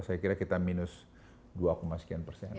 saya kira kita minus dua sekian persen